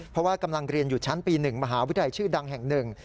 เพราะว่ากำลังเรียนอยู่ชั้นปี๑มหาวิทยาลัยชื่อดังแห่งหนึ่ง